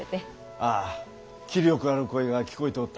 あぁ気力ある声が聞こえておった。